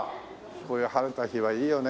こういう晴れた日はいいよね。